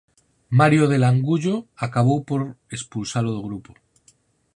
Mario de Langullo acabou por expulsalo do grupo.